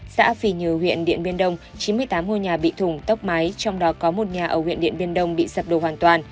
xã phì nhừ huyện điện biên đông chín mươi tám ngôi nhà bị thùng tốc máy trong đó có một nhà ở huyện điện biên đông bị sập đổ hoàn toàn